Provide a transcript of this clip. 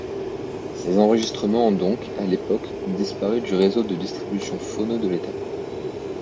Ses enregistrements ont donc, à l'époque, disparus du réseau de distribution phono de l'état.